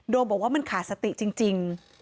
บอกว่ามันขาดสติจริง